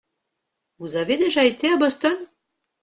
Vous avez déjà été à Boston ?